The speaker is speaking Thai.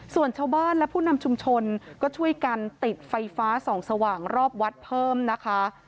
ส่วนชาวบ้านและผู้นำชุมชนก็ช่วยกันติดไฟฟ้าส่องสว่างรอบวัดเพิ่มนะคะ